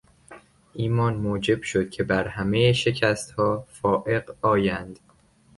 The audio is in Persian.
ایمان موجب شد که بر همهی شکستها فائق آیند.